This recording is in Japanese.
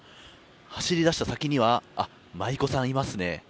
走りだした先には舞子さん、いますね。